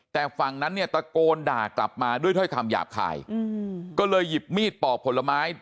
แต่ฝั่งนั้นเนี่ยตะโกนด่ากลับมาด้วยถ้อยคำหยาบคายก็เลยหยิบมีดปอกผลไม้